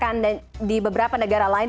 anakan dan di beberapa negara lain